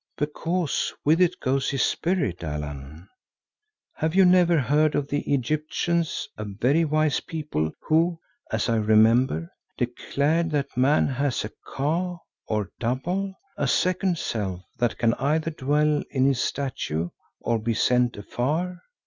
"Because with it goes his spirit, Allan. Have you never heard of the Egyptians, a very wise people who, as I remember, declared that man has a Ka or Double, a second self, that can either dwell in his statue or be sent afar?"